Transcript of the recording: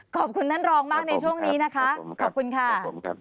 ขอบคุณท่านรองมากในช่วงนี้นะคะขอบคุณค่ะ